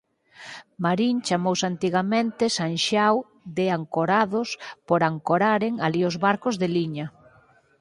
Marín chamouse antigamente San Xiao de Ancorados por ancoraren alí os barcos de liña.